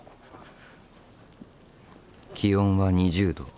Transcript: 気温は２０度。